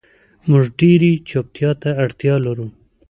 مونږ ډیرې چوپتیا ته اړتیا لرو